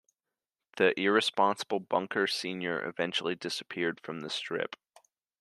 The irresponsible Bunker Senior eventually disappeared from the strip.